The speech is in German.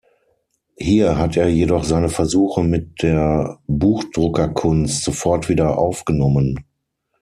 Hier hat er jedoch seine Versuche mit der Buchdruckerkunst sofort wieder aufgenommen.